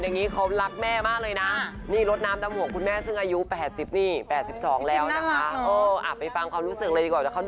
นี่เขารักแม่มากเลยนะนี่รถน้ำตำหัวของคุณแม่ซึ่งอายุ๘๒แล้วอ่ะไปฟังความรู้สึกเลยดีกว่า